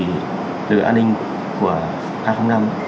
lực lượng an ninh của a năm